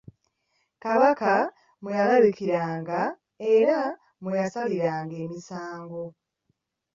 Kabaka mwe yalabikiranga era mwe yasaliranga emisango.